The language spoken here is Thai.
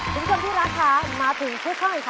ทุกคนที่รักค่ะมาถึงชื่อข้างในค่ะ